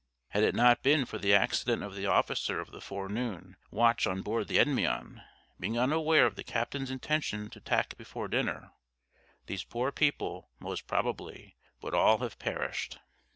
Had it not been for the accident of the officer of the forenoon watch on board the Endymion being unaware of the captain's intention to tack before dinner, these poor people, most probably, would all have perished.